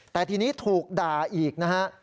แต่ทีนี้ถูกด่าอีกนะฮะ